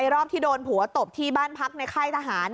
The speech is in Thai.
รอบที่โดนผัวตบที่บ้านพักในค่ายทหาร